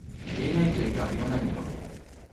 言えないというか言わないんだよ